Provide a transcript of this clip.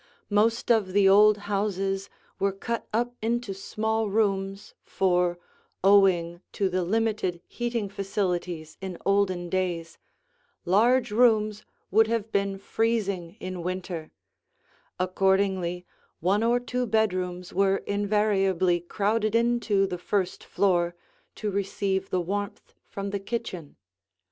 Most of the old houses were cut up into small rooms, for, owing to the limited heating facilities in olden days, large rooms would have been freezing in winter; accordingly one or two bedrooms were invariably crowded into the first floor to receive the warmth from the kitchen.